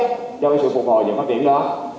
cho cái sự phục hồi và phát triển đó